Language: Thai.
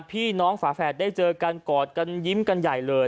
พี่น้องฝาแฝดได้เจอกันกอดกันยิ้มกันใหญ่เลย